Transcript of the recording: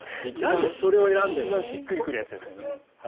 一番しっくり来るやつですよね。